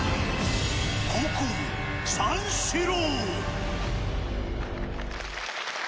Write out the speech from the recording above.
後攻、三四郎。